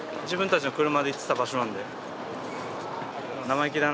自分たちの車で行ってた場所なんで。